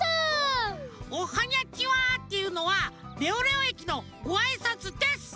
「おはにゃちは！」っていうのはレオレオ駅のごあいさつです！